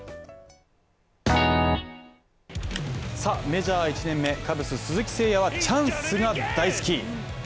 メジャー１年目、カブス・鈴木誠也はチャンスが大好き。